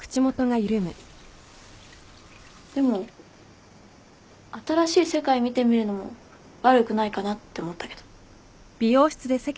でも新しい世界見てみるのも悪くないかなって思ったけど。